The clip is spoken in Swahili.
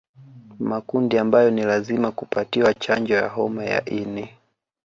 Makundi ambayo ni lazima kupatiwa chanjo ya homa ya ini